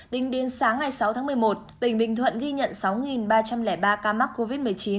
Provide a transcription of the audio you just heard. tính đến sáng ngày sáu tháng một mươi một tỉnh bình thuận ghi nhận sáu ba trăm linh ba ca mắc covid một mươi chín